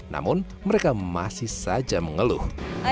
namun mereka masih saja mengeluh